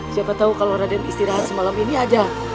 siapa tahu kalau raden istirahat semalam ini aja